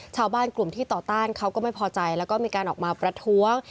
ชาวบ้านกลุ่มที่ต่อต้านเขาก็ไม่พอใจแล้วก็มีการออกมาประท้วง